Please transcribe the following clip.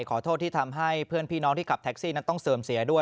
ขอโทษที่ทำให้เพื่อนพี่น้องที่ขับแท็กซี่นั้นต้องเสื่อมเสียด้วย